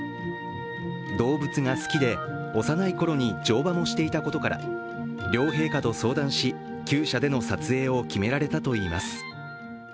動物が好きで幼いころに乗馬もしていたことから、両陛下と相談し、きゅう舎での撮影を決められたといいます。